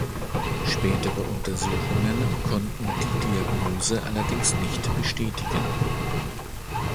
Spätere Untersuchungen konnten die Diagnose allerdings nicht bestätigen.